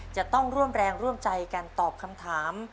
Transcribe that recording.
จะต้องร่วมแรงร่วมใจกันตอบคำถาม